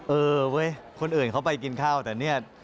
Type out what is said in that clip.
เออเว้ยคนอื่นเขาไปกินข้าวแต่เนี่ย